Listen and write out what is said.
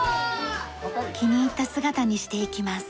気に入った姿にしていきます。